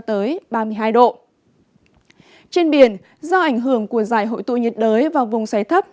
trên biển do ảnh hưởng của giải hội tụ nhiệt đới và vùng xoáy thấp